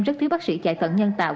rất thiếu bác sĩ chạy thận nhân tạo